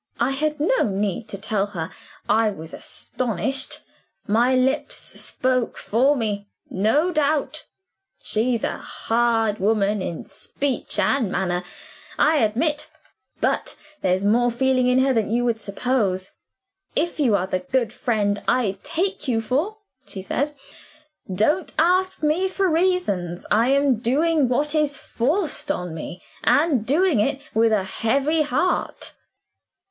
"I had no need to tell her I was astonished; my lips spoke for me, no doubt. She's a hard woman in speech and manner, I admit. But there's more feeling in her than you would suppose. 'If you are the good friend I take you for,' she says, 'don't ask me for reasons; I am doing what is forced on me, and doing it with a heavy heart.